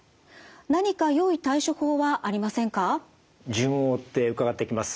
順を追って伺っていきます。